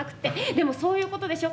でもそういうことでしょ？